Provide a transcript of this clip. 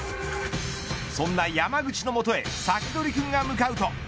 そんな山口の元へサキドリくんが向かうと。